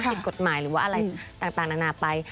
ผิดกฎหมายหรือว่าอะไรต่างนานาไป